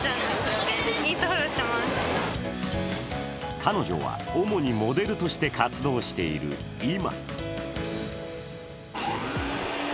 彼女は主にモデルとして活動しているｉｍｍａ。